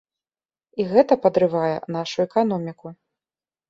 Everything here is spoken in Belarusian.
І гэта падрывае нашу эканоміку.